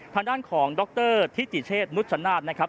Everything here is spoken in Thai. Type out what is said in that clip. ทางด้านของดรทิติเชษนุชชนาธิ์นะครับ